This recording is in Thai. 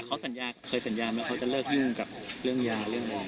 เขาสัญญาเคยสัญญาไหมเขาจะเลิกยุ่งกับเรื่องยาเรื่องอะไร